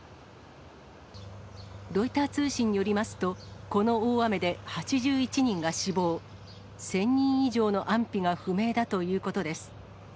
ロイター通信によりますと、この大雨で８１人が死亡、１０００人以上の安否が不明だということです。